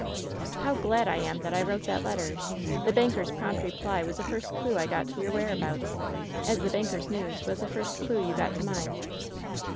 *^" 'How ^lad I am that I wrote that letter ! The bank er's prompt reply was the first clew I got to your where abouts, as the banker's news was the first clew you got to mine.'